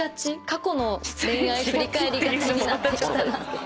過去の恋愛振り返りがちになってきたなと。